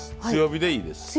強火でいいです。